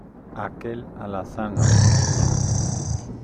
aquel alazano, Niña.